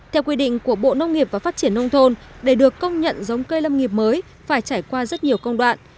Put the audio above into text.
theo quy định của bộ nông nghiệp và phát triển nông thôn để được công nhận giống cây lâm nghiệp mới phải trải qua rất nhiều công đoạn